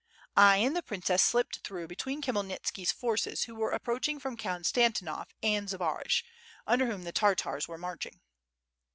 I and the princess slipped through between Khmyelnitski's forces who were approaching from Konstan tinov, and Zbaraj, under whom the Tartars were marching."